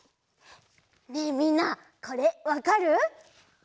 ねえみんなこれわかる？